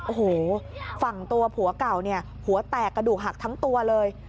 โอ้โหฝั่งตัวผัวเก่าเนี่ยหัวแตกกระดูกหักทั้งตัวเลย